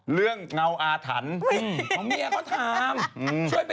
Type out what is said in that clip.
เรื่องเงาอาถรรพ์